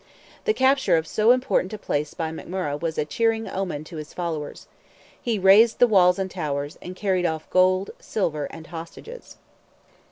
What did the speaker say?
The capture of so important a place by McMurrogh was a cheering omen to his followers. He razed the walls and towers, and carried off gold, silver, and hostages.